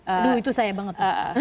aduh itu saya banget